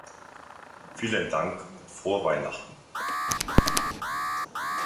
Vielen Dank und Frohe Weihnachten.